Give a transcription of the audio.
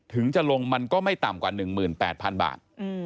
ถึงจะลงมันก็ไม่ต่ำกว่า๑๘๐๐๐บาท